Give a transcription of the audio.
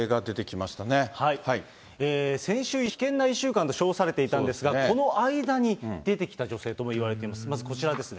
先週１週間、危険な１週間と称されていたんですが、この間に出てきた女性とも言われているんです。